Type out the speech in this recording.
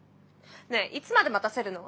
ねえいつまで待たせるの？